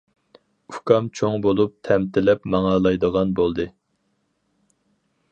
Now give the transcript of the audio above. ئۇكام چوڭ بولۇپ تەمتىلەپ ماڭالايدىغان بولدى.